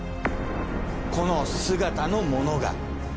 この姿のものが。